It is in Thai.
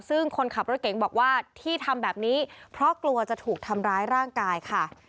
ซึ่งคนขับรถเก๋งบอกว่าที่ทำแบบนี้เพราะกลัวจะถูกทำร้ายร่างกายค่ะ